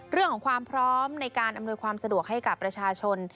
เรื่องของความพร้อมในการอำนวยความสะดวกให้กับประชาชน